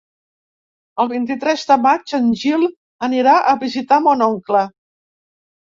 El vint-i-tres de maig en Gil anirà a visitar mon oncle.